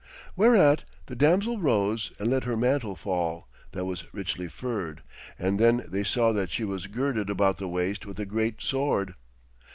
Whereat the damsel rose and let her mantle fall, that was richly furred, and then they saw that she was girded about the waist with a great sword.